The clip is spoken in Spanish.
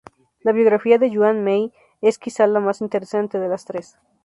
La biografía de Yuan Mei es quizá la más interesante de las tres.